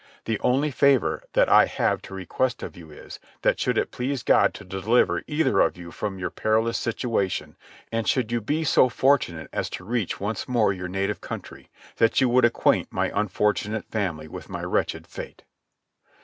The only favour that I have to request of you is, that should it please God to deliver either of you from your perilous situation, and should you be so fortunate as to reach once more your native country, that you would acquaint my unfortunate family with my wretched fate."